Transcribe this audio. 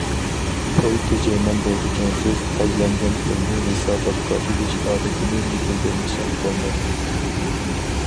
پۇل تېجەيمەن دەيدىكەنسىز، خەجلەنگەن پۇلنى ھېساباتقا ئېلىش ئادىتىنى يېتىلدۈرمىسىڭىز بولمايدۇ.